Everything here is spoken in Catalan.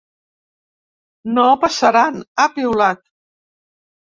No passaran!, ha piulat.